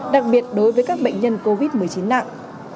đặc biệt đối với các bệnh nhân covid một mươi chín nặng